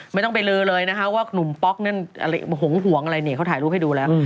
ไม่ต้องไปลือเลยนะคะว่าหนุ่มป๊อกนั้นอะไรหงอะไรเนี่ยเขาถ่ายรูปให้ดูแล้ว